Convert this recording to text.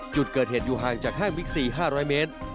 จุดเกิดเหตุอยู่ห่างจากห้างบิ๊กซี๕๐๐เมตร